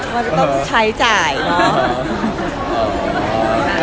มันจะต้องใช้จ่ายเนอะ